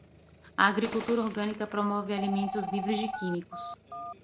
A agricultura orgânica promove alimentos livres de químicos.